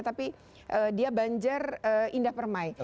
tapi dia banjar indah permai